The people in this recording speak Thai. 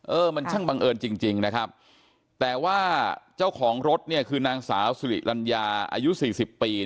เออมันช่างบังเอิญจริงนะครับแต่ว่าเจ้าของรถเนี่ยคือนางสาวสิริรัญญาอายุ๔๐ปี